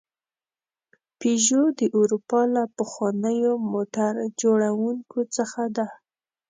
پيژو د اروپا له پخوانیو موټر جوړونکو څخه ده.